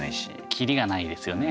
切りがないですよね。